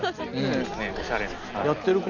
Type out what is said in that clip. ねっおしゃれな。